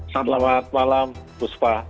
selamat malam usman